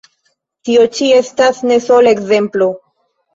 Tio ĉi estas ne sola ekzemplo.